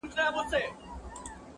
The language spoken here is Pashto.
هر انسان خپل حقيقت لټوي تل,